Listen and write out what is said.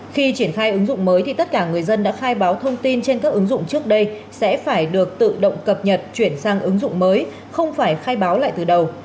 khi triển khai ứng dụng mới thì tất cả người dân đã khai báo thông tin trên các ứng dụng trước đây sẽ phải được tự động cập nhật chuyển sang ứng dụng mới không phải khai báo lại từ đầu